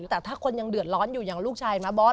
แต่ถ้าคนยังเดือดร้อนอยู่อย่างลูกชายมาบอส